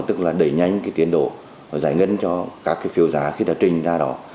tức là đẩy nhanh tiến độ giải ngân cho các phiêu giá khi đã trình ra đó